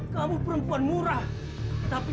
kamu perempuan murah tapi